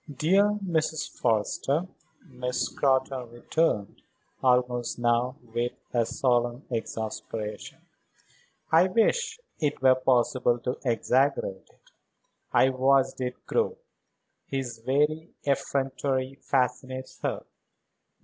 "Dear Mrs. Forrester," Miss Scrotton returned, almost now with a solemn exasperation, "I wish it were possible to exaggerate it. I watched it grow. His very effrontery fascinates her.